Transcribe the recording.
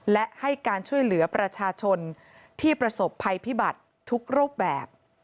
และให้การช่วยเหลือประชาชนที่ประสบภัยพิบัติทุกรูปแบบ